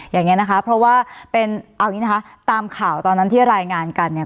อย่างนี้นะคะเพราะว่าเป็นเอาอย่างนี้นะคะตามข่าวตอนนั้นที่รายงานกันเนี่ย